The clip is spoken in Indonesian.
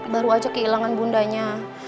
baru aja kehilangan bundanya